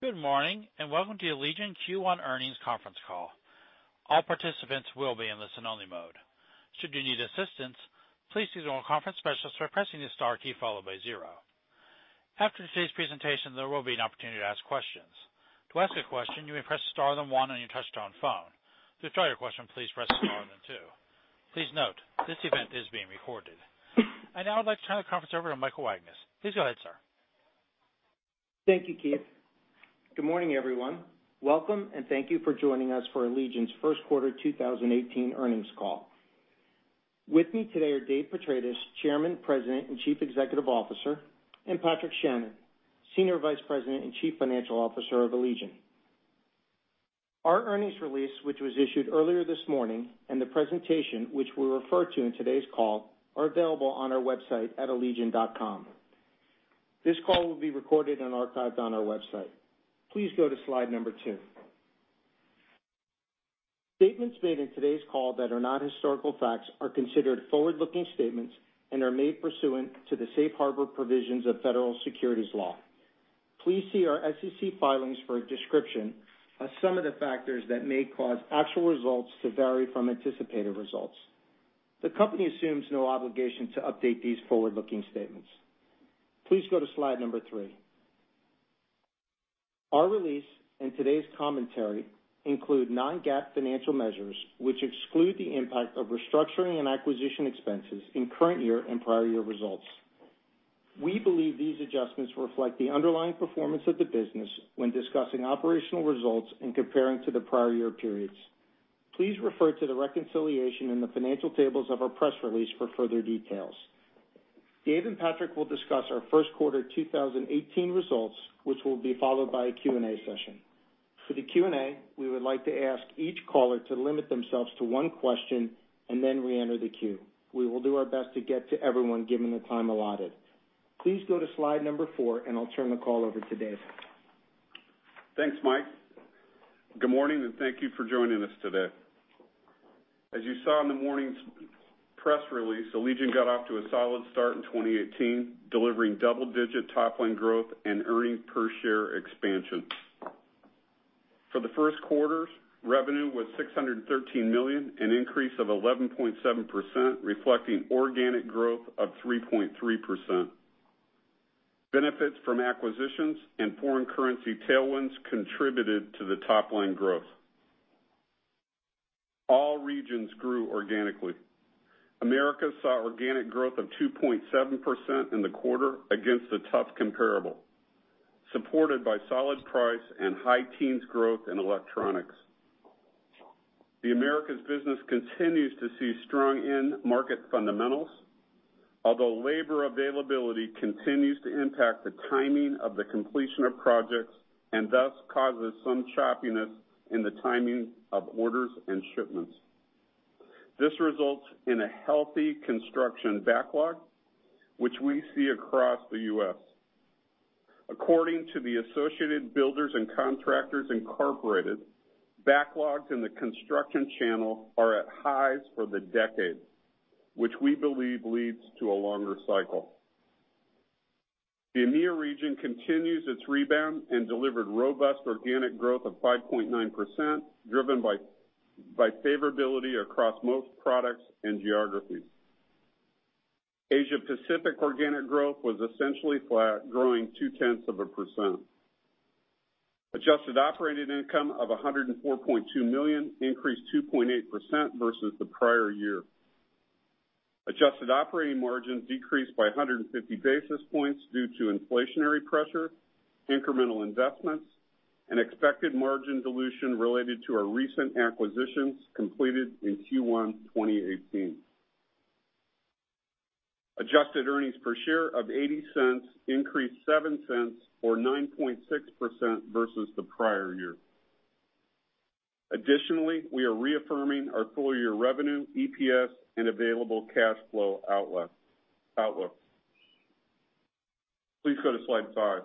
Good morning, and welcome to the Allegion Q1 earnings conference call. All participants will be in listen-only mode. Should you need assistance, please signal a conference specialist by pressing the star key followed by zero. After today's presentation, there will be an opportunity to ask questions. To ask a question, you may press star then one on your touch-tone phone. To withdraw your question, please press star then two. Please note, this event is being recorded. I'd now like to turn the conference over to Mike Wagnes. Please go ahead, sir. Thank you, Keith. Good morning, everyone. Welcome, and thank you for joining us for Allegion's first quarter 2018 earnings call. With me today are Dave Petratis, Chairman, President, and Chief Executive Officer, and Patrick Shannon, Senior Vice President and Chief Financial Officer of Allegion. Our earnings release, which was issued earlier this morning, and the presentation, which we'll refer to in today's call, are available on our website at allegion.com. This call will be recorded and archived on our website. Please go to slide number two. Statements made in today's call that are not historical facts are considered forward-looking statements and are made pursuant to the safe harbor provisions of federal securities law. Please see our SEC filings for a description of some of the factors that may cause actual results to vary from anticipated results. The company assumes no obligation to update these forward-looking statements. Please go to slide number three. Our release and today's commentary include non-GAAP financial measures, which exclude the impact of restructuring and acquisition expenses in current year and prior year results. We believe these adjustments reflect the underlying performance of the business when discussing operational results and comparing to the prior year periods. Please refer to the reconciliation in the financial tables of our press release for further details. Dave and Patrick will discuss our first quarter 2018 results, which will be followed by a Q&A session. For the Q&A, we would like to ask each caller to limit themselves to one question and then reenter the queue. We will do our best to get to everyone given the time allotted. Please go to slide number four, and I'll turn the call over to Dave. Thanks, Mike. Good morning, and thank you for joining us today. As you saw in the morning's press release, Allegion got off to a solid start in 2018, delivering double-digit top-line growth and earnings per share expansion. For the first quarter, revenue was $613 million, an increase of 11.7%, reflecting organic growth of 3.3%. Benefits from acquisitions and foreign currency tailwinds contributed to the top-line growth. All regions grew organically. Americas saw organic growth of 2.7% in the quarter against a tough comparable, supported by solid price and high teens growth in electronics. The Americas business continues to see strong end market fundamentals, although labor availability continues to impact the timing of the completion of projects and thus causes some choppiness in the timing of orders and shipments. This results in a healthy construction backlog, which we see across the U.S. According to the Associated Builders and Contractors, Inc., backlogs in the construction channel are at highs for the decade, which we believe leads to a longer cycle. The EMEIA region continues its rebound and delivered robust organic growth of 5.9%, driven by favorability across most products and geographies. Asia Pacific organic growth was essentially flat, growing 0.2%. Adjusted operating income of $104.2 million increased 2.8% versus the prior year. Adjusted operating margin decreased by 150 basis points due to inflationary pressure, incremental investments, and expected margin dilution related to our recent acquisitions completed in Q1 2018. Adjusted earnings per share of $0.80 increased $0.07 or 9.6% versus the prior year. Additionally, we are reaffirming our full-year revenue, EPS, and available cash flow outlook. Please go to slide five.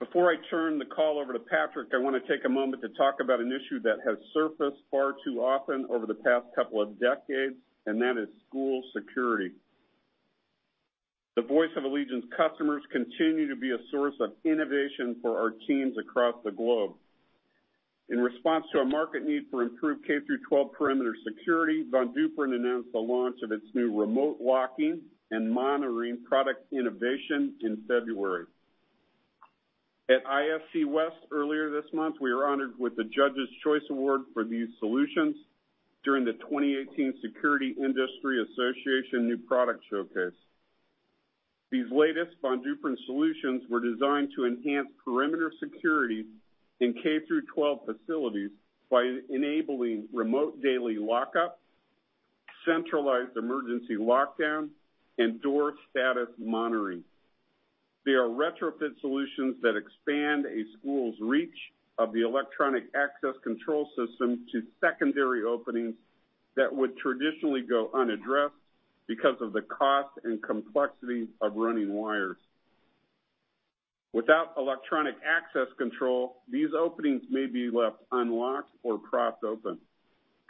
Before I turn the call over to Patrick, I want to take a moment to talk about an issue that has surfaced far too often over the past couple of decades, that is school security. The voice of Allegion's customers continue to be a source of innovation for our teams across the globe. In response to a market need for improved K through 12 perimeter security, Von Duprin announced the launch of its new remote locking and monitoring product innovation in February. At ISC West earlier this month, we were honored with the Judges' Choice Award for these solutions during the 2018 Security Industry Association New Product Showcase. These latest Von Duprin solutions were designed to enhance perimeter security in K through 12 facilities by enabling remote daily lockup, centralized emergency lockdown, and door status monitoring. They are retrofit solutions that expand a school's reach of the electronic access control system to secondary openings that would traditionally go unaddressed because of the cost and complexity of running wires. Without electronic access control, these openings may be left unlocked or propped open,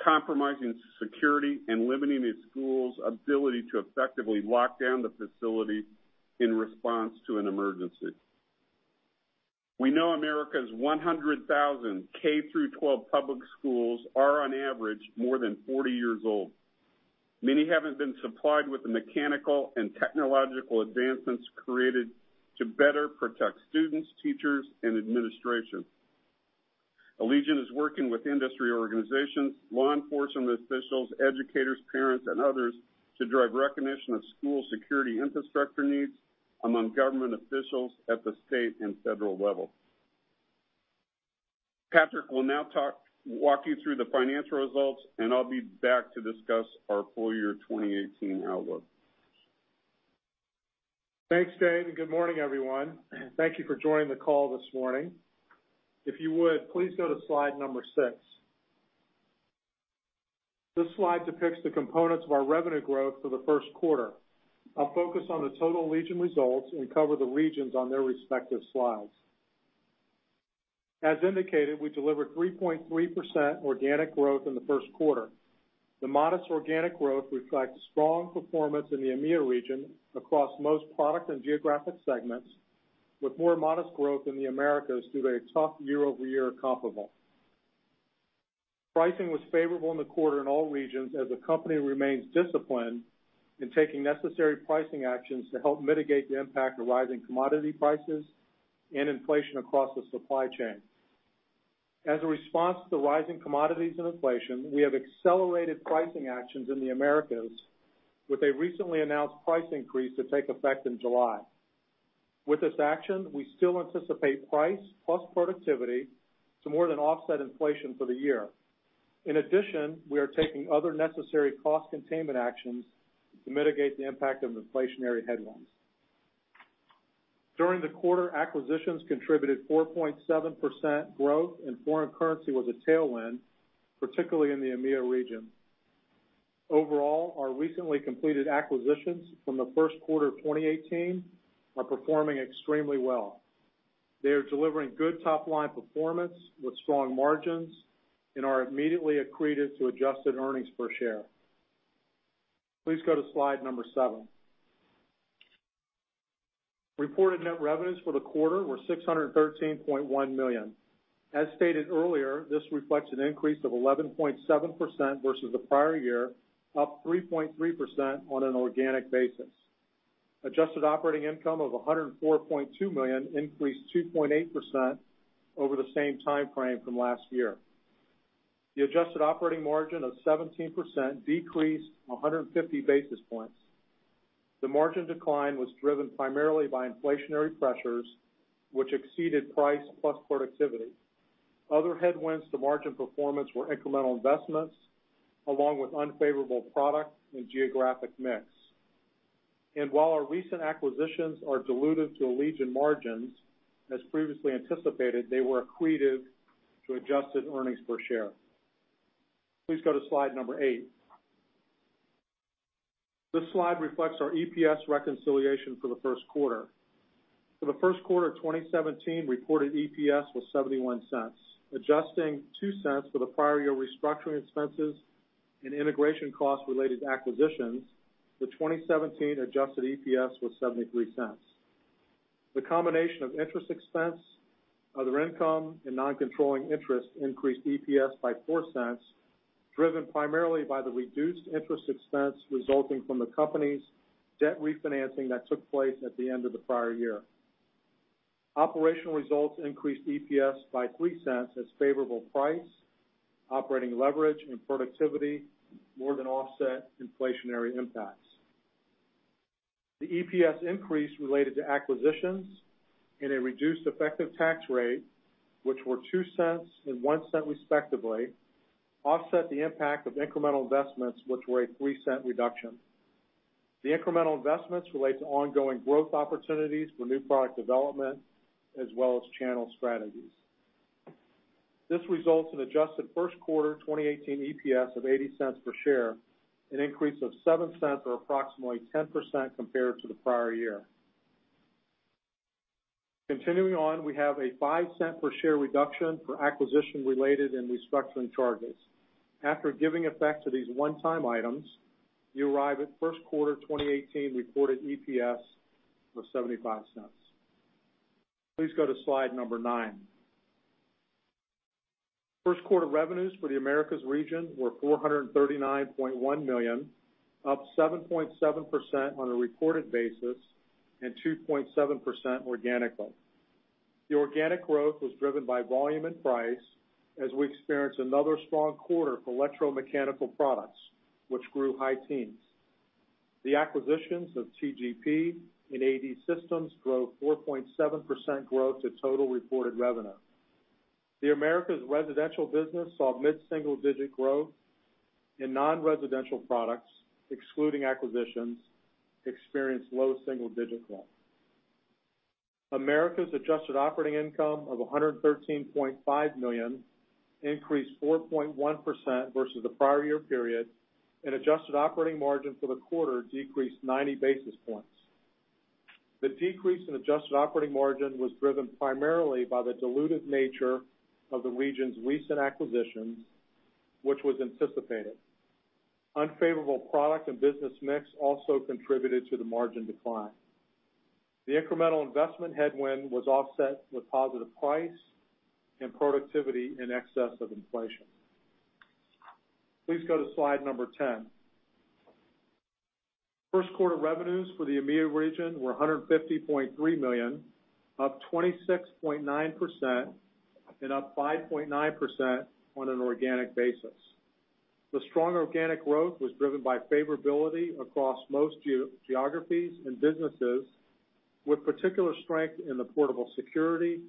compromising security and limiting a school's ability to effectively lock down the facility in response to an emergency. We know America's 100,000 K through 12 public schools are, on average, more than 40 years old. Many haven't been supplied with the mechanical and technological advancements created to better protect students, teachers, and administration. Allegion is working with industry organizations, law enforcement officials, educators, parents, and others to drive recognition of school security infrastructure needs among government officials at the state and federal level. Patrick will now walk you through the financial results, I'll be back to discuss our full year 2018 outlook. Thanks, Dave, good morning, everyone. Thank you for joining the call this morning. If you would, please go to slide number six. This slide depicts the components of our revenue growth for the first quarter. I'll focus on the total Allegion results and cover the regions on their respective slides. As indicated, we delivered 3.3% organic growth in the first quarter. The modest organic growth reflects strong performance in the EMEA region across most product and geographic segments, with more modest growth in the Americas due to a tough year-over-year comparable. Pricing was favorable in the quarter in all regions, as the company remains disciplined in taking necessary pricing actions to help mitigate the impact of rising commodity prices and inflation across the supply chain. As a response to rising commodities and inflation, we have accelerated pricing actions in the Americas with a recently announced price increase to take effect in July. With this action, we still anticipate price plus productivity to more than offset inflation for the year. In addition, we are taking other necessary cost containment actions to mitigate the impact of inflationary headwinds. During the quarter, acquisitions contributed 4.7% growth, and foreign currency was a tailwind, particularly in the EMEA region. Overall, our recently completed acquisitions from the first quarter of 2018 are performing extremely well. They are delivering good top-line performance with strong margins and are immediately accretive to adjusted earnings per share. Please go to slide number seven. Reported net revenues for the quarter were $613.1 million. As stated earlier, this reflects an increase of 11.7% versus the prior year, up 3.3% on an organic basis. Adjusted operating income of $104.2 million increased 2.8% over the same time frame from last year. The adjusted operating margin of 17% decreased 150 basis points. The margin decline was driven primarily by inflationary pressures, which exceeded price plus productivity. Other headwinds to margin performance were incremental investments, along with unfavorable product and geographic mix. While our recent acquisitions are dilutive to Allegion margins, as previously anticipated, they were accretive to adjusted earnings per share. Please go to slide number eight. This slide reflects our EPS reconciliation for the first quarter. For the first quarter of 2017, reported EPS was $0.71. Adjusting $0.02 for the prior year restructuring expenses and integration costs related to acquisitions, the 2017 adjusted EPS was $0.73. The combination of interest expense, other income, and non-controlling interests increased EPS by $0.04, driven primarily by the reduced interest expense resulting from the company's debt refinancing that took place at the end of the prior year. Operational results increased EPS by $0.03 as favorable price, operating leverage, and productivity more than offset inflationary impacts. The EPS increase related to acquisitions and a reduced effective tax rate, which were $0.02 and $0.01 respectively, offset the impact of incremental investments, which were a $0.03 reduction. The incremental investments relate to ongoing growth opportunities for new product development as well as channel strategies. This results in adjusted first quarter 2018 EPS of $0.80 per share, an increase of $0.07 or approximately 10% compared to the prior year. Continuing on, we have a $0.05 per share reduction for acquisition-related and restructuring charges. After giving effect to these one-time items, you arrive at first quarter 2018 reported EPS of $0.75. Please go to slide number nine. First quarter revenues for the Americas region were $439.1 million, up 7.7% on a reported basis and 2.7% organically. The organic growth was driven by volume and price as we experienced another strong quarter for electromechanical products, which grew high teens. The acquisitions of TGP and AD Systems drove 4.7% growth to total reported revenue. The Americas residential business saw mid-single digit growth, and non-residential products, excluding acquisitions, experienced low single-digit growth. Americas adjusted operating income of $113.5 million increased 4.1% versus the prior year period, and adjusted operating margin for the quarter decreased 90 basis points. The decrease in adjusted operating margin was driven primarily by the dilutive nature of the region's recent acquisitions, which was anticipated. Unfavorable product and business mix also contributed to the margin decline. The incremental investment headwind was offset with positive price and productivity in excess of inflation. Please go to slide number 10. First quarter revenues for the EMEIA region were $150.3 million, up 26.9% and up 5.9% on an organic basis. The strong organic growth was driven by favorability across most geographies and businesses, with particular strength in the Portable Security,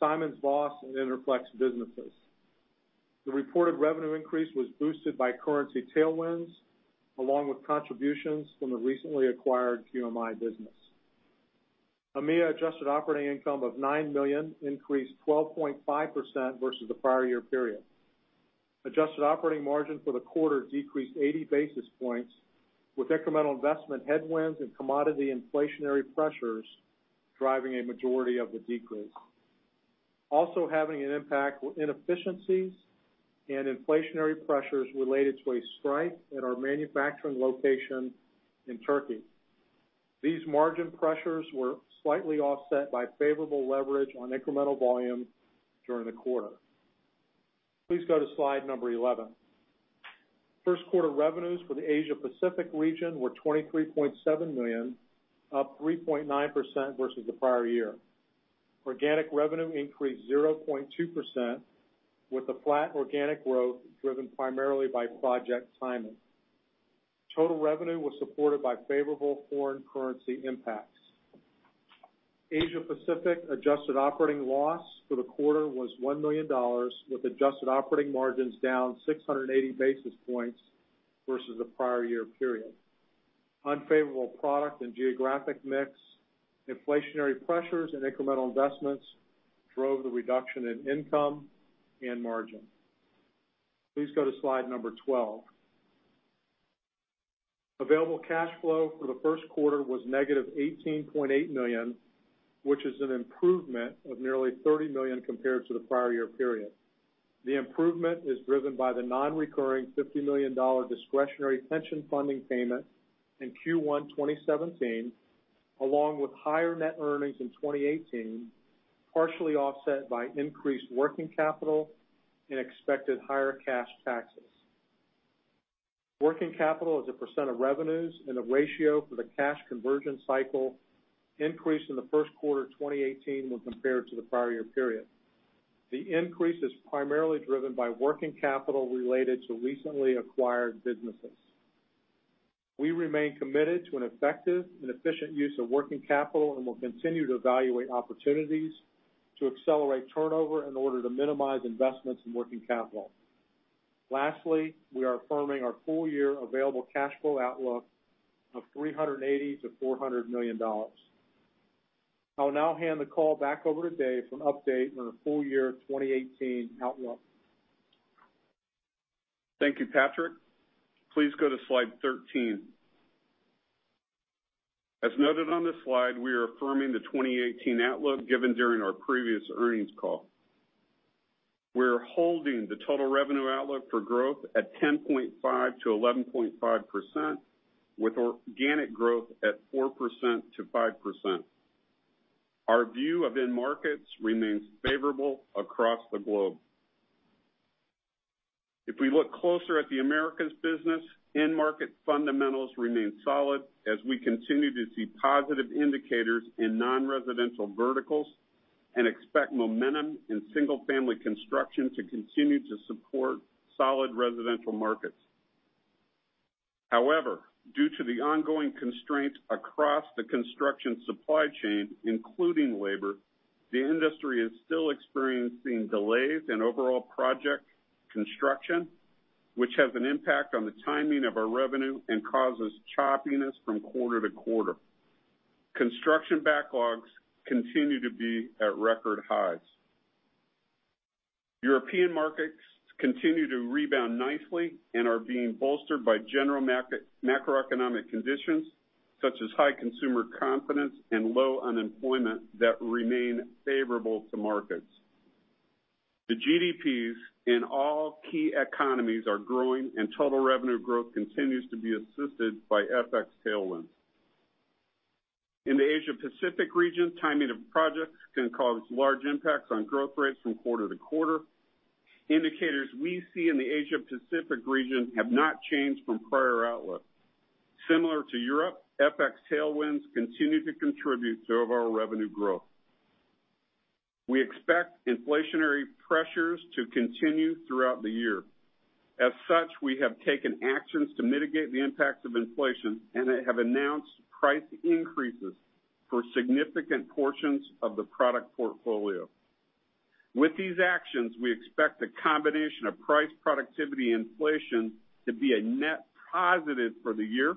SimonsVoss, and Interflex businesses. The reported revenue increase was boosted by currency tailwinds, along with contributions from the recently acquired QMI business. EMEIA adjusted operating income of $9 million increased 12.5% versus the prior year period. Adjusted operating margin for the quarter decreased 80 basis points with incremental investment headwinds and commodity inflationary pressures driving a majority of the decrease. Also having an impact were inefficiencies and inflationary pressures related to a strike at our manufacturing location in Turkey. These margin pressures were slightly offset by favorable leverage on incremental volume during the quarter. Please go to slide number 11. First quarter revenues for the Asia Pacific region were $23.7 million, up 3.9% versus the prior year. Organic revenue increased 0.2% with the flat organic growth driven primarily by project timing. Total revenue was supported by favorable foreign currency impacts. Asia Pacific adjusted operating loss for the quarter was $1 million with adjusted operating margins down 680 basis points versus the prior year period. Unfavorable product and geographic mix, inflationary pressures, and incremental investments drove the reduction in income and margin. Please go to slide number 12. Available cash flow for the first quarter was negative $18.8 million, which is an improvement of nearly $30 million compared to the prior year period. The improvement is driven by the non-recurring $50 million discretionary pension funding payment in Q1 2017, along with higher net earnings in 2018, partially offset by increased working capital and expected higher cash taxes. Working capital as a percent of revenues and a ratio for the cash conversion cycle increased in the first quarter 2018 when compared to the prior year period. The increase is primarily driven by working capital related to recently acquired businesses. We remain committed to an effective and efficient use of working capital and will continue to evaluate opportunities to accelerate turnover in order to minimize investments in working capital. Lastly, we are affirming our full-year available cash flow outlook of $380 million-$400 million. I will now hand the call back over to Dave for an update on the full year 2018 outlook. Thank you, Patrick. Please go to slide 13. As noted on this slide, we are affirming the 2018 outlook given during our previous earnings call. We are holding the total revenue outlook for growth at 10.5%-11.5%, with organic growth at 4%-5%. Our view of end markets remains favorable across the globe. If we look closer at the Americas business, end market fundamentals remain solid as we continue to see positive indicators in non-residential verticals and expect momentum in single-family construction to continue to support solid residential markets. However, due to the ongoing constraint across the construction supply chain, including labor, the industry is still experiencing delays in overall project construction, which has an impact on the timing of our revenue and causes choppiness from quarter to quarter. Construction backlogs continue to be at record highs. European markets continue to rebound nicely and are being bolstered by general macroeconomic conditions, such as high consumer confidence and low unemployment, that remain favorable to markets. The GDPs in all key economies are growing, and total revenue growth continues to be assisted by FX tailwinds. In the Asia Pacific region, timing of projects can cause large impacts on growth rates from quarter to quarter. Indicators we see in the Asia Pacific region have not changed from prior outlook. Similar to Europe, FX tailwinds continue to contribute to overall revenue growth. We expect inflationary pressures to continue throughout the year. As such, we have taken actions to mitigate the impacts of inflation and have announced price increases for significant portions of the product portfolio. With these actions, we expect the combination of price productivity inflation to be a net positive for the year.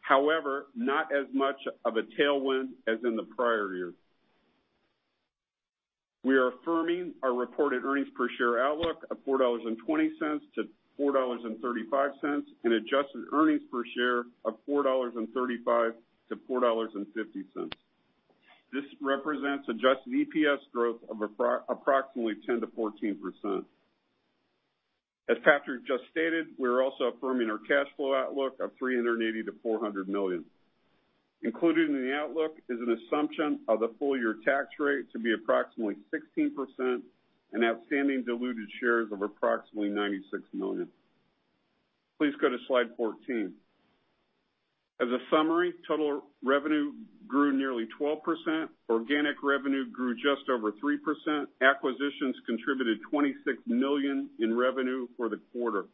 However, not as much of a tailwind as in the prior year. We are affirming our reported earnings per share outlook of $4.20-$4.35, and adjusted earnings per share of $4.35-$4.50. This represents adjusted EPS growth of approximately 10%-14%. As Patrick just stated, we're also affirming our cash flow outlook of $380 million-$400 million. Included in the outlook is an assumption of the full-year tax rate to be approximately 16% and outstanding diluted shares of approximately 96 million. Please go to slide 14. As a summary, total revenue grew nearly 12%. Organic revenue grew just over 3%. Acquisitions contributed $26 million in revenue for the quarter.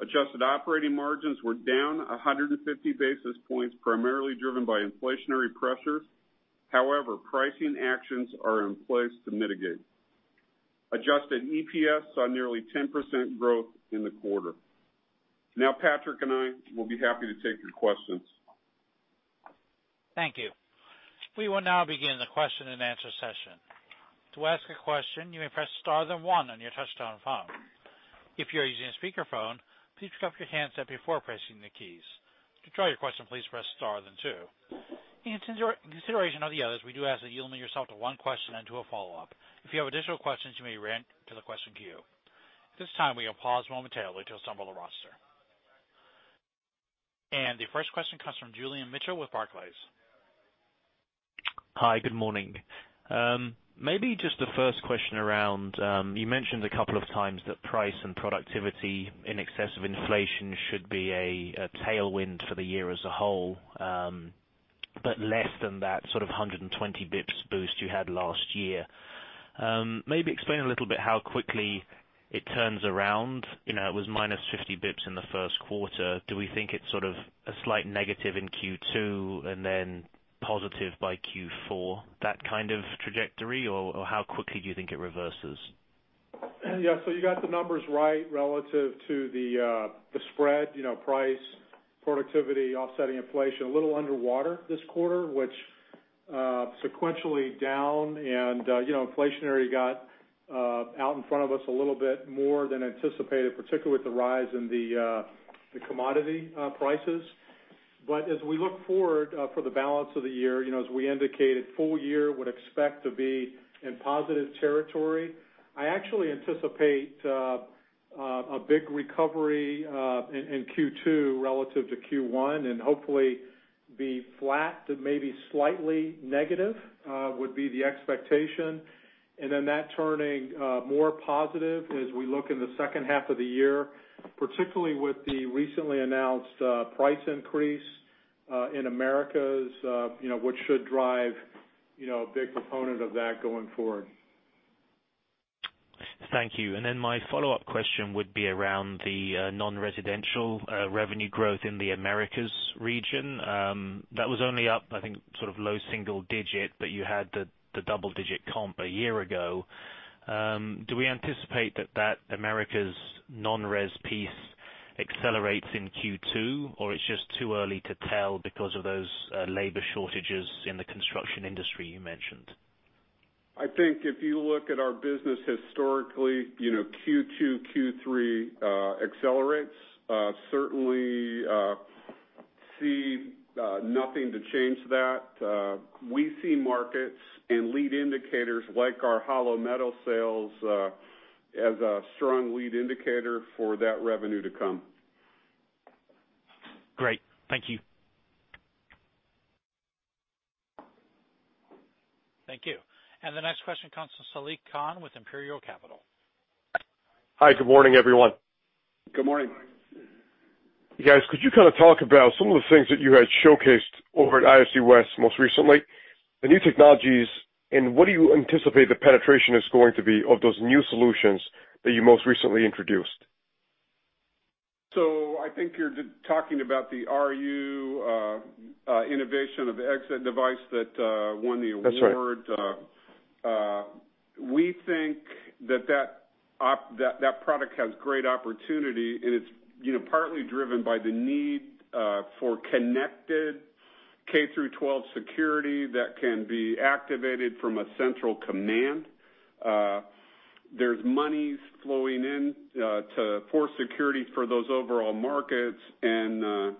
Adjusted operating margins were down 150 basis points, primarily driven by inflationary pressures. However, pricing actions are in place to mitigate. Adjusted EPS saw nearly 10% growth in the quarter. Now Patrick and I will be happy to take your questions. Thank you. We will now begin the question and answer session. To ask a question, you may press star then one on your touchtone phone. If you are using a speakerphone, please pick up your handset before pressing the keys. To withdraw your question, please press star then two. In consideration of the others, we do ask that you limit yourself to one question and to a follow-up. If you have additional questions, you may re-enter the question queue. At this time, we will pause momentarily to assemble the roster. The first question comes from Julian Mitchell with Barclays. Hi. Good morning. Maybe just the first question around, you mentioned a couple of times that price and productivity in excess of inflation should be a tailwind for the year as a whole, but less than that sort of 120 basis points boost you had last year. Maybe explain a little bit how quickly it turns around. It was -50 basis points in the first quarter. Do we think it's sort of a slight negative in Q2 and then positive by Q4, that kind of trajectory? How quickly do you think it reverses? Yeah. You got the numbers right relative to the spread. Price, productivity offsetting inflation. A little underwater this quarter, which sequentially down, inflationary got out in front of us a little bit more than anticipated, particularly with the rise in the commodity prices. As we look forward for the balance of the year, as we indicated, full year would expect to be in positive territory. I actually anticipate a big recovery in Q2 relative to Q1, hopefully be flat to maybe slightly negative, would be the expectation. That turning more positive as we look in the second half of the year, particularly with the recently announced price increase in Americas, which should drive a big component of that going forward. Thank you. My follow-up question would be around the non-residential revenue growth in the Americas region. That was only up, I think, sort of low single digit, you had the double-digit comp a year ago. Do we anticipate that Americas non-res piece accelerates in Q2, or it's just too early to tell because of those labor shortages in the construction industry you mentioned? I think if you look at our business historically, Q2, Q3 accelerates. Certainly see nothing to change that. We see markets and lead indicators like our hollow metal sales as a strong lead indicator for that revenue to come. Great. Thank you. Thank you. The next question comes from Saliq Khan with Imperial Capital. Hi, good morning, everyone. Good morning. You guys, could you kind of talk about some of the things that you had showcased over at ISC West most recently, the new technologies, and what do you anticipate the penetration is going to be of those new solutions that you most recently introduced? I think you're talking about the RU innovation of exit device that won the award. That's right. We think that product has great opportunity, and it's partly driven by the need for connected K through 12 security that can be activated from a central command. There's monies flowing in for security for those overall markets, and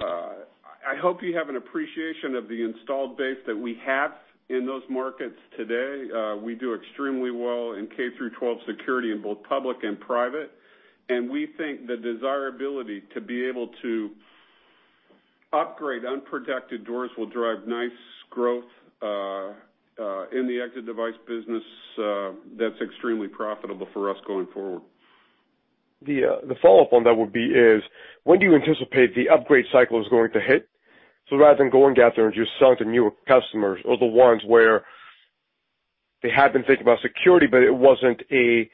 I hope you have an appreciation of the installed base that we have in those markets today. We do extremely well in K through 12 security in both public and private, and we think the desirability to be able to upgrade unprotected doors will drive nice growth in the exit device business that's extremely profitable for us going forward. The follow-up on that would be is when do you anticipate the upgrade cycle is going to hit? Rather than going out there and just selling to newer customers or the ones where they had been thinking about security, but it wasn't a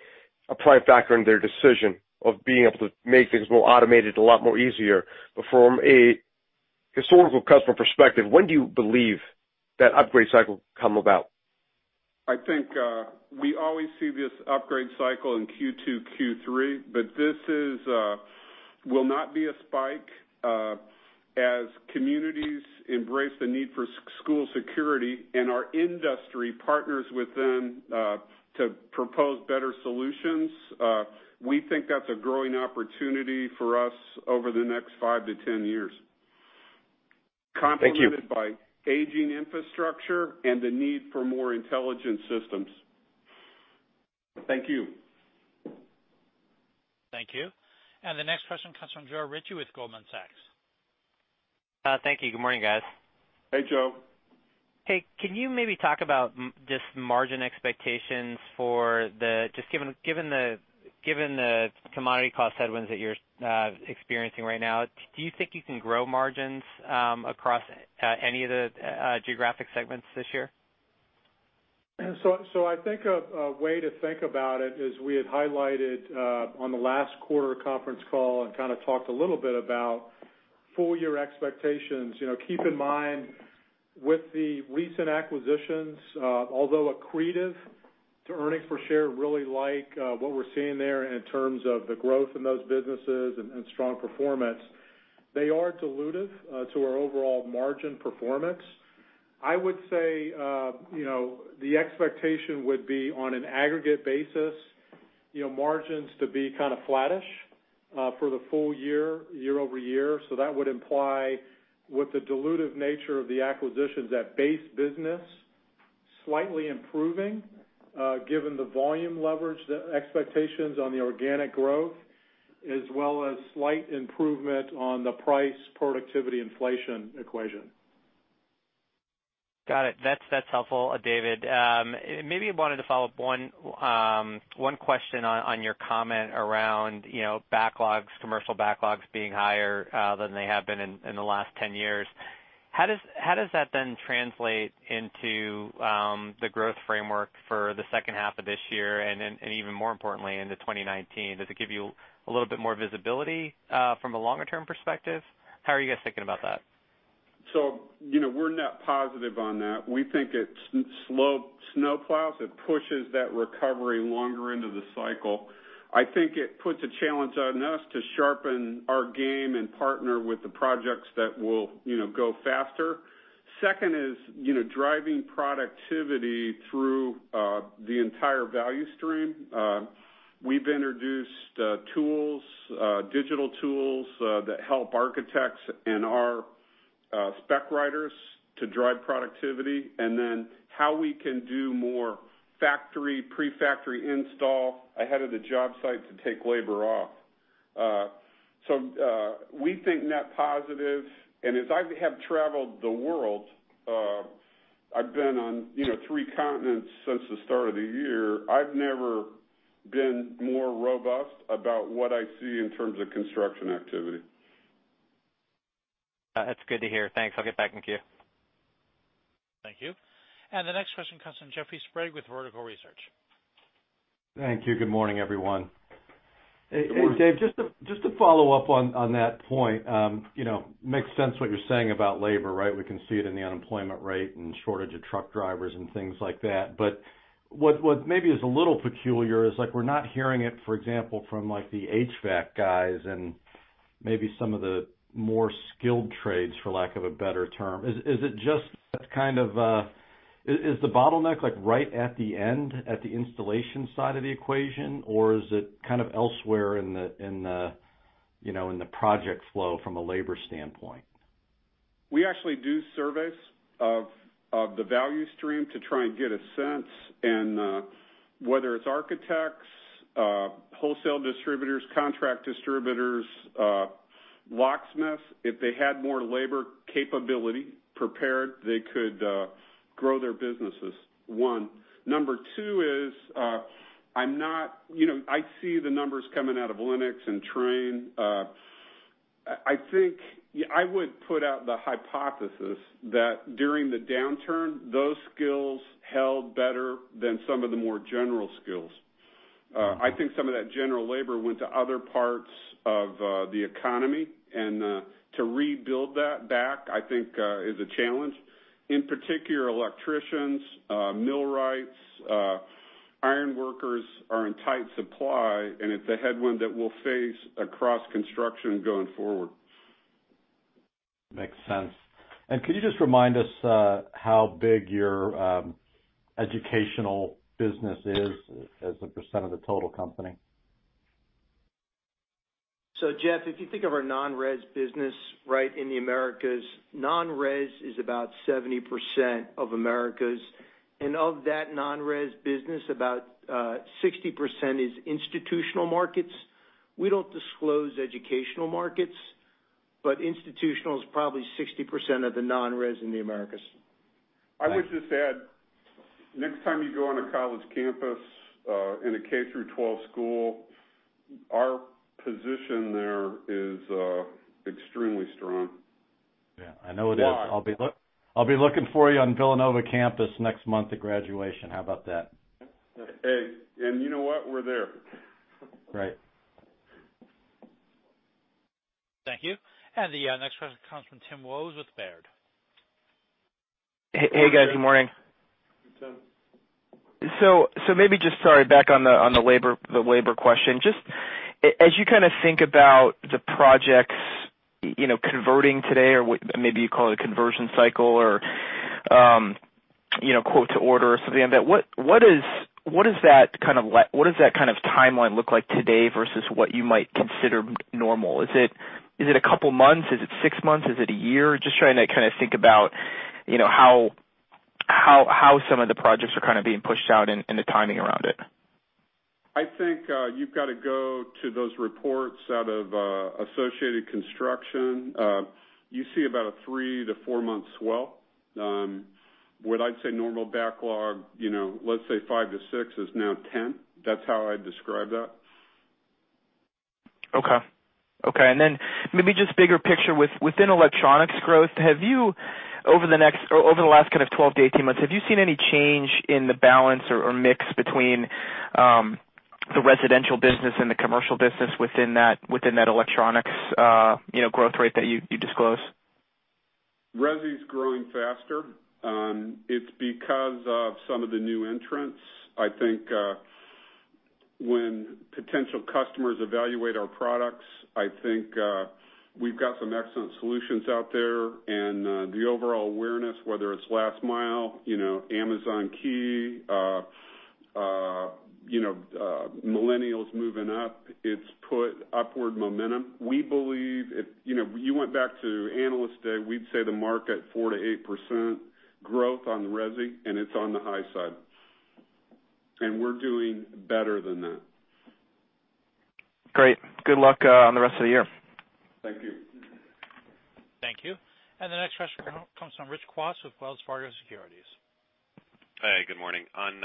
prime factor in their decision of being able to make things more automated, a lot more easier. From a historical customer perspective, when do you believe that upgrade cycle come about? We always see this upgrade cycle in Q2, Q3, but this will not be a spike. As communities embrace the need for school security and our industry partners with them to propose better solutions, we think that's a growing opportunity for us over the next five to 10 years. Thank you. Complemented by aging infrastructure and the need for more intelligent systems. Thank you. Thank you. The next question comes from Joe Ritchie with Goldman Sachs. Thank you. Good morning, guys. Hey, Joe. Hey, can you maybe talk about just margin expectations, just given the commodity cost headwinds that you're experiencing right now, do you think you can grow margins across any of the geographic segments this year? I think a way to think about it is we had highlighted, on the last quarter conference call, and kind of talked a little bit about full-year expectations. Keep in mind with the recent acquisitions, although accretive to earnings per share, really like what we're seeing there in terms of the growth in those businesses and strong performance. They are dilutive to our overall margin performance. I would say, the expectation would be on an aggregate basis, margins to be kind of flattish, for the full-year, year-over-year. That would imply with the dilutive nature of the acquisitions, that base business slightly improving, given the volume leverage, the expectations on the organic growth, as well as slight improvement on the price productivity inflation equation. Got it. That's helpful, David. Maybe I wanted to follow up one question on your comment around backlogs, commercial backlogs being higher than they have been in the last 10 years. How does that translate into the growth framework for the second half of this year and even more importantly into 2019? Does it give you a little bit more visibility, from a longer-term perspective? How are you guys thinking about that? We're net positive on that. We think it's slow snowplows. It pushes that recovery longer into the cycle. I think it puts a challenge on us to sharpen our game and partner with the projects that will go faster. Second is driving productivity through the entire value stream. We've introduced tools, digital tools, that help architects and our spec writers to drive productivity, how we can do more factory, pre-factory install ahead of the job site to take labor off. We think net positive. As I have traveled the world, I've been on three continents since the start of the year. I've never been more robust about what I see in terms of construction activity. That's good to hear. Thanks. I'll get back in queue. Thank you. The next question comes from Jeffrey Sprague with Vertical Research. Thank you. Good morning, everyone. Good morning. Hey, Dave, just to follow up on that point. Makes sense what you're saying about labor, right? We can see it in the unemployment rate and shortage of truck drivers and things like that. What maybe is a little peculiar is, we're not hearing it, for example, from the HVAC guys and maybe some of the more skilled trades, for lack of a better term. Is the bottleneck right at the end, at the installation side of the equation, or is it kind of elsewhere in the project flow from a labor standpoint? We actually do surveys of the value stream to try and get a sense and, whether it's architects, wholesale distributors, contract distributors, locksmiths, if they had more labor capability prepared, they could grow their businesses, one. Number two is, I see the numbers coming out of Lennox and Trane. I think I would put out the hypothesis that during the downturn, those skills held better than some of the more general skills. I think some of that general labor went to other parts of the economy, and to rebuild that back, I think, is a challenge. In particular, electricians, millwrights, iron workers are in tight supply, and it's a headwind that we'll face across construction going forward. Makes sense. Could you just remind us how big your educational business is as a % of the total company? Jeff, if you think of our non-res business, right, in the Americas, non-res is about 70% of Americas. Of that non-res business, about 60% is institutional markets. We don't disclose educational markets, but institutional is probably 60% of the non-res in the Americas. I would just add, next time you go on a college campus, in a K through 12 school, our position there is extremely strong. Yeah, I know it is. A lot. I'll be looking for you on Villanova campus next month at graduation. How about that? Hey, you know what? We're there. Right. Thank you. The next question comes from Timothy Wojs with Baird. Hey, guys. Good morning. Hey, Tim. Maybe just, sorry, back on the labor question. Just as you kind of think about the projects converting today or maybe you call it a conversion cycle or quote to order or something like that, what does that kind of timeline look like today versus what you might consider normal? Is it a couple months? Is it six months? Is it a year? Just trying to kind of think about how some of the projects are kind of being pushed out and the timing around it. I think you've got to go to those reports out of Associated Builders and Contractors. You see about a three to four-month swell. What I'd say normal backlog, let's say five to six is now 10. That's how I'd describe that. Okay. Maybe just bigger picture, within electronics growth, over the last kind of 12 to 18 months, have you seen any change in the balance or mix between the residential business and the commercial business within that electronics growth rate that you disclose? Resi's growing faster. It's because of some of the new entrants. I think when potential customers evaluate our products, I think we've got some excellent solutions out there, and the overall awareness, whether it's Last Mile, Amazon Key, millennials moving up, it's put upward momentum. If you went back to Analyst Day, we'd say the market 4%-8% growth on resi, and it's on the high side. We're doing better than that. Great. Good luck on the rest of the year. Thank you. Thank you. The next question comes from Rich Kwas with Wells Fargo Securities. Hey, good morning. On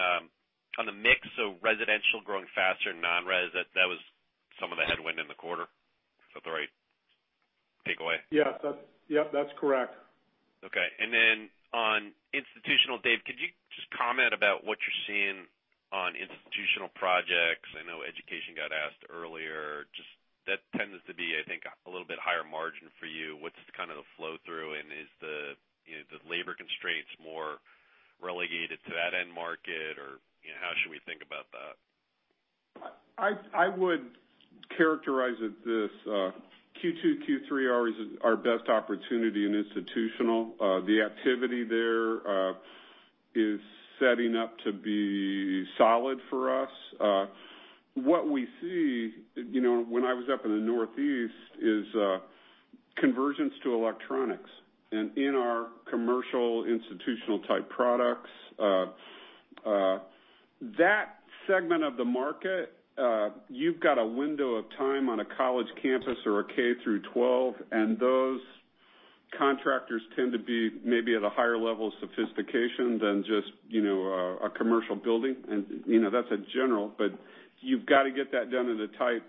the mix of residential growing faster than non-res, that was some of the headwind in the quarter. Is that the right takeaway? Yes, that's correct. Okay. On institutional, Dave, could you just comment about what you're seeing on institutional projects? I know education got asked earlier. Just that tends to be, I think, a little bit higher margin for you. What's kind of the flow-through, and is the labor constraints more relegated to that end market, or how should we think about that? I would characterize it this, Q2, Q3 are our best opportunity in institutional. The activity there is setting up to be solid for us. What we see, when I was up in the Northeast, is convergence to electronics and in our commercial institutional-type products. That segment of the market, you've got a window of time on a college campus or a K through 12, and those contractors tend to be maybe at a higher level of sophistication than just a commercial building. That's a general, but you've got to get that done in a tight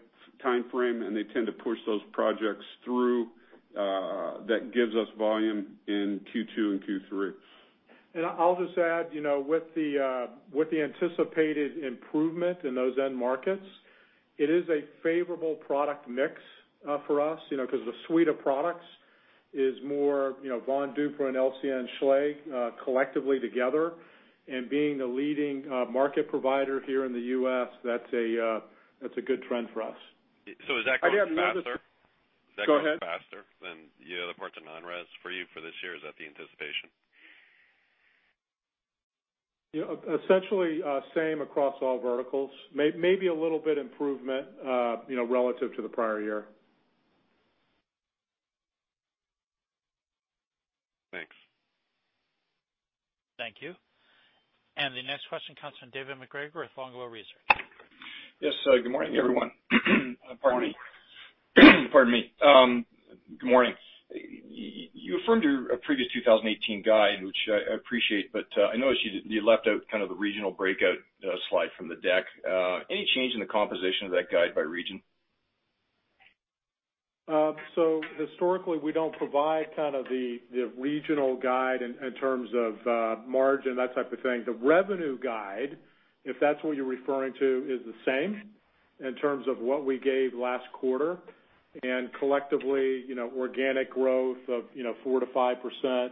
timeframe, and they tend to push those projects through. That gives us volume in Q2 and Q3. I'll just add, with the anticipated improvement in those end markets, it is a favorable product mix for us, because the suite of products is more Von Duprin and LCN Schlage collectively together, and being the leading market provider here in the U.S., that's a good trend for us. Is that growing faster? Go ahead. Is that growing faster than the other parts of non-res for you for this year? Is that the anticipation? Yeah. Essentially, same across all verticals. Maybe a little bit improvement relative to the prior year. Thanks. Thank you. The next question comes from David MacGregor with Longbow Research. Yes. Good morning, everyone. Pardon me. Good morning. You affirmed your previous 2018 guide, which I appreciate, but I noticed you left out kind of the regional breakout slide from the deck. Any change in the composition of that guide by region? Historically, we don't provide kind of the regional guide in terms of margin, that type of thing. The revenue guide, if that's what you're referring to, is the same in terms of what we gave last quarter. Collectively, organic growth of 4%-5%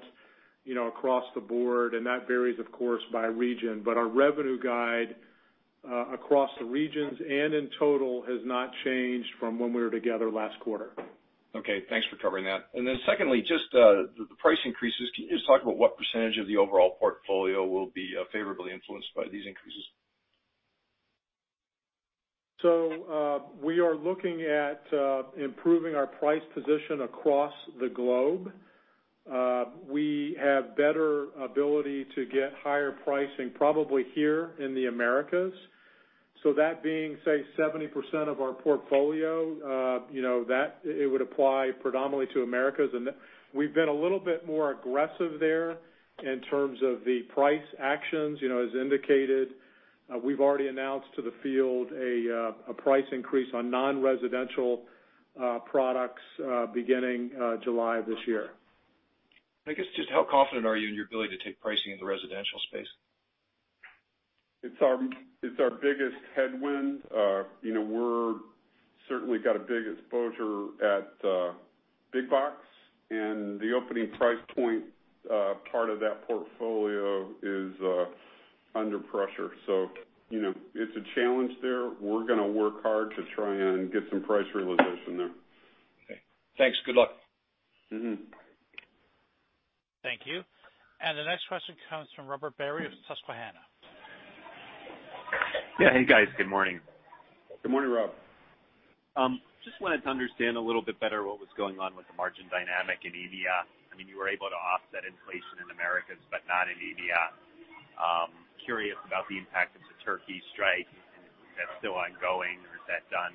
across the board, and that varies, of course, by region. Our revenue guide across the regions and in total has not changed from when we were together last quarter. Okay, thanks for covering that. Secondly, just the price increases. Can you just talk about what percentage of the overall portfolio will be favorably influenced by these increases? We are looking at improving our price position across the globe. We have better ability to get higher pricing probably here in the Americas. That being, say, 70% of our portfolio, it would apply predominantly to Americas. We've been a little bit more aggressive there in terms of the price actions. As indicated, we've already announced to the field a price increase on non-residential products beginning July of this year. I guess, just how confident are you in your ability to take pricing in the residential space? It's our biggest headwind. We're certainly got a big exposure at Big Box, and the opening price point part of that portfolio is under pressure. It's a challenge there. We're going to work hard to try and get some price realization there. Okay. Thanks. Good luck. Thank you. The next question comes from Robert Barry of Susquehanna. Hey, guys. Good morning. Good morning, Rob. Just wanted to understand a little bit better what was going on with the margin dynamic in EMEIA. You were able to offset inflation in Americas, but not in EMEIA. Curious about the impact of the Turkey strike and if that's still ongoing, or is that done?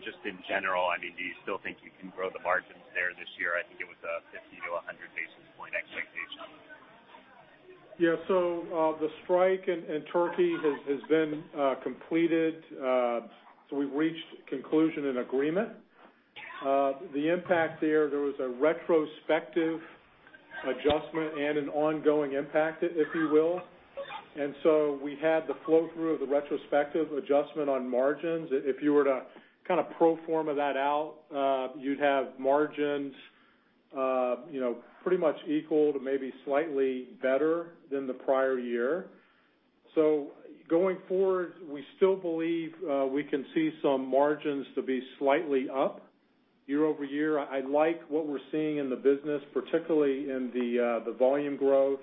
Just in general, do you still think you can grow the margins there this year? I think it was a 50 to 100 basis point expectation. The strike in Turkey has been completed. We've reached conclusion and agreement. The impact there was a retrospective adjustment and an ongoing impact, if you will. We had the flow-through of the retrospective adjustment on margins. If you were to pro forma that out, you'd have margins pretty much equal to maybe slightly better than the prior year. Going forward, we still believe we can see some margins to be slightly up year-over-year. I like what we're seeing in the business, particularly in the volume growth.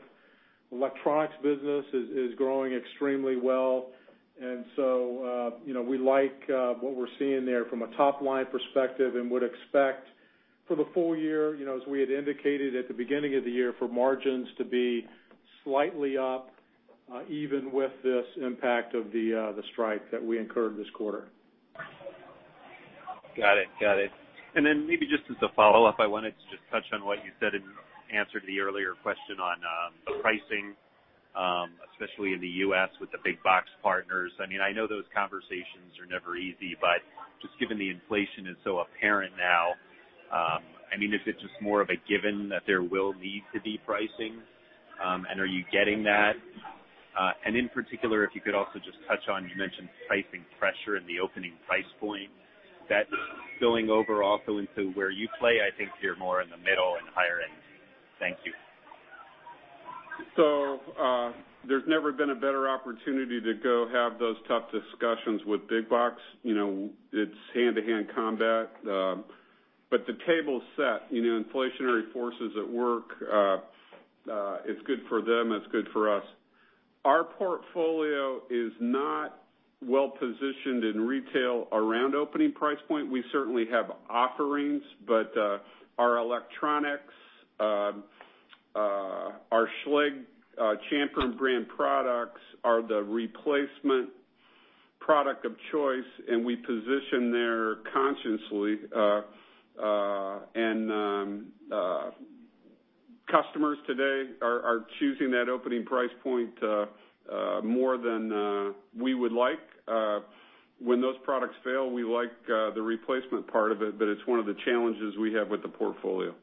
Electronics business is growing extremely well. We like what we're seeing there from a top-line perspective and would expect for the full year, as we had indicated at the beginning of the year, for margins to be slightly up, even with this impact of the strike that we incurred this quarter. Got it. Then maybe just as a follow-up, I wanted to just touch on what you said in answer to the earlier question on the pricing, especially in the U.S. with the Big Box partners. I know those conversations are never easy, but just given the inflation is so apparent now, is it just more of a given that there will need to be pricing? Are you getting that? In particular, if you could also just touch on, you mentioned pricing pressure in the opening price point. That spilling over also into where you play? I think you're more in the middle and higher end. Thank you. There's never been a better opportunity to go have those tough discussions with Big Box. It's hand-to-hand combat. The table's set. Inflationary forces at work, it's good for them, it's good for us. Our portfolio is not well-positioned in retail around opening price point. We certainly have offerings, but our electronics, our Schlage Champion brand products are the replacement product of choice, and we position there consciously. Customers today are choosing that opening price point more than we would like. When those products fail, we like the replacement part of it, but it's one of the challenges we have with the portfolio.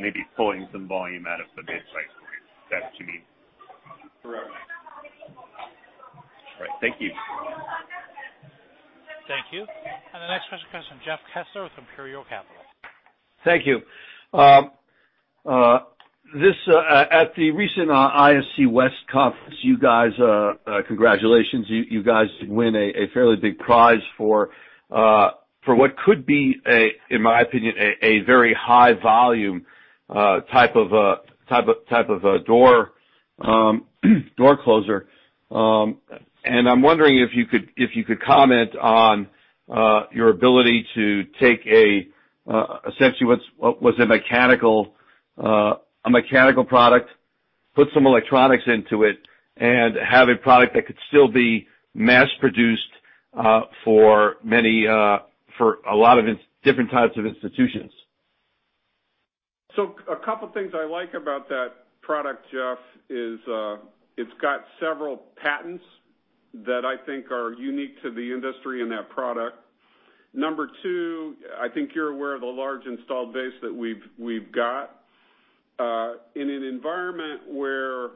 Maybe pulling some volume out of the base price point. Is that what you mean? Correct. All right. Thank you. Thank you. The next question comes from Jeff Kessler with Imperial Capital. Thank you. At the recent ISC West conference, congratulations, you guys did win a fairly big prize for what could be, in my opinion, a very high volume type of a door closer. I'm wondering if you could comment on your ability to take essentially what was a mechanical product, put some electronics into it, and have a product that could still be mass-produced for a lot of different types of institutions. A couple things I like about that product, Jeff, is it's got several patents that I think are unique to the industry and that product. Number 2, I think you're aware of the large installed base that we've got. In an environment where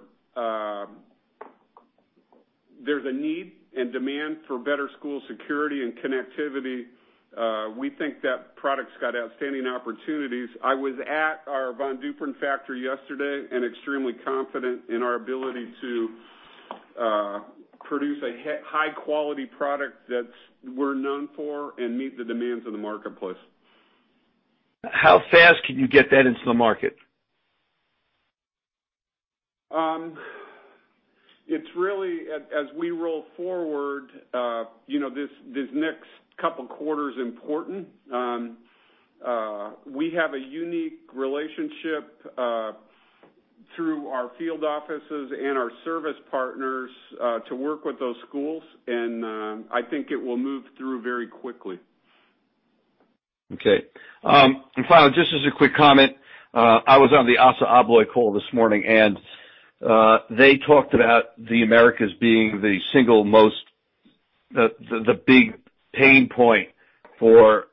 there's a need and demand for better school security and connectivity, we think that product's got outstanding opportunities. I was at our Von Duprin factory yesterday and extremely confident in our ability to produce a high-quality product that we're known for and meet the demands of the marketplace. How fast can you get that into the market? It's really, as we roll forward, this next couple quarters important. We have a unique relationship through our field offices and our service partners to work with those schools, and I think it will move through very quickly. Okay. Final, just as a quick comment. I was on the ASSA ABLOY call this morning, and they talked about the Americas being the single most, the big pain point for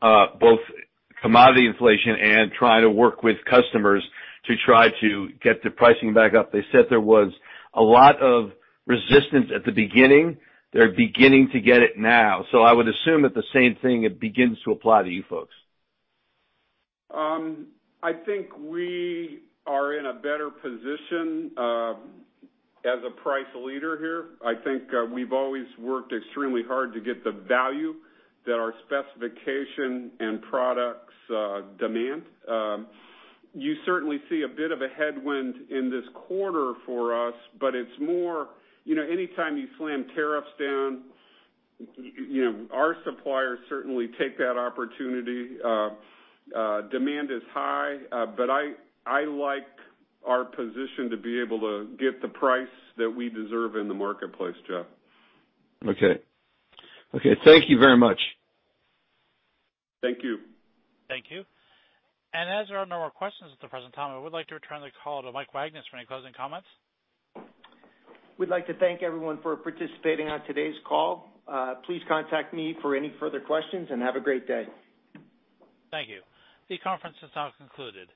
both commodity inflation and trying to work with customers to try to get the pricing back up. They said there was a lot of resistance at the beginning. They're beginning to get it now. I would assume that the same thing, it begins to apply to you folks. I think we are in a better position as a price leader here. I think we've always worked extremely hard to get the value that our specification and products demand. You certainly see a bit of a headwind in this quarter for us, but it's more, anytime you slam tariffs down, our suppliers certainly take that opportunity. Demand is high, I like our position to be able to get the price that we deserve in the marketplace, Jeff. Okay. Thank you very much. Thank you. Thank you. As there are no more questions at the present time, I would like to return the call to Mike Wagnes for any closing comments. We'd like to thank everyone for participating on today's call. Please contact me for any further questions, and have a great day. Thank you. The conference is now concluded.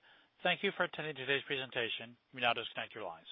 Thank you for attending today's presentation. You may now disconnect your lines.